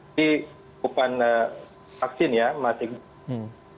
ini bukan vaksin ya mas iqbal